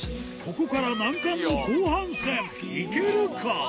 ここから難関の後半戦いけるか？